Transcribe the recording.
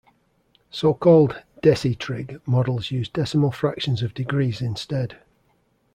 So-called "decitrig" models use decimal fractions of degrees instead.